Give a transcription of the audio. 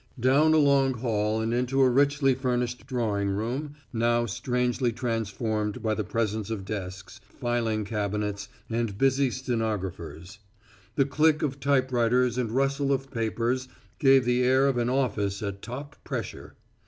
Down a long hall and into a richly furnished drawing room, now strangely transformed by the presence of desks, filing cabinets, and busy girl stenographers; the click of typewriters and rustle of papers gave the air of an office at top pressure.